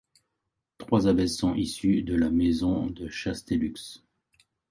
Trois abbesses sont issues de la maison de Chastellux.